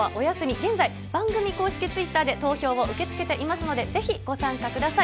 現在、番組公式ツイッターで投票を受け付けていますので、ぜひご参加ください。